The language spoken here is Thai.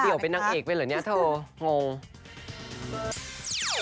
เดี๋ยวเป็นนางเอกไปเหรอเนี่ยเธองง